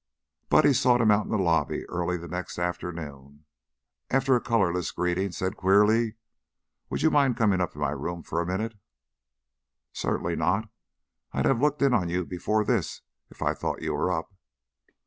Buddy sought him out in the lobby, early the next afternoon, and after a colorless greeting, said, queerly, "Would you mind comin' up to my room for a minute?" "Certainly not. I'd have looked in on you before this if I'd thought you were up."